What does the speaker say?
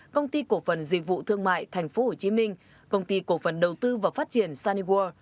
công ty cổ phần dịch vụ thương mại tp hcm công ty cổ phần đầu tư và phát triển sunnyworld